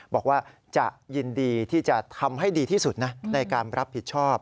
บอกว่าจะยินดีที่จะทำให้ดีที่สุดนะในการรับผิดชอบ